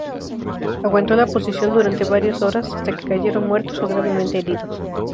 Aguantó la posición durante varias horas, hasta que cayeron muertos o gravemente heridos.